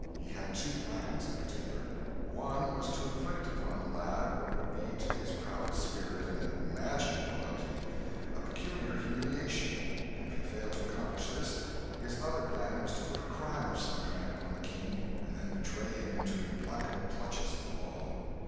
He had two plans, in particular. One was to inflict upon the lad what would be, to his proud spirit and 'imagined' royalty, a peculiar humiliation; and if he failed to accomplish this, his other plan was to put a crime of some kind upon the King, and then betray him into the implacable clutches of the law.